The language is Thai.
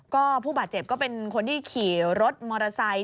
ก็ผู้บาดเจ็บก็เป็นคนที่ขี่รถมอเตอร์ไซค